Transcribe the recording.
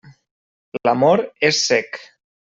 L'amor és cec.